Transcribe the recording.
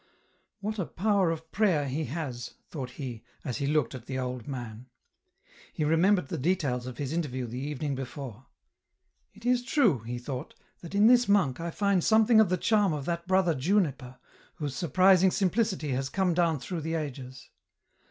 " What a power of prayer he has," thought he, as he looked at the old man. He remembered the details of his interview the evening before. " It is true," he thought, " that in this monk I find something of the charm of that brother Juniper, whose surprising simplicity has come down through the ages."